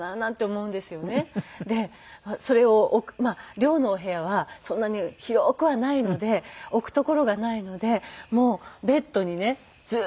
でそれを寮のお部屋はそんなに広くはないので置く所がないのでもうベッドにねずっと並べていて。